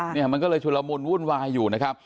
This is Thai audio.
เนี่ยมันก็เลยชุลมุนวุ่นวายอยู่นะครับ